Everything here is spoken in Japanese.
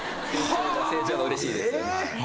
成長がうれしいですよね。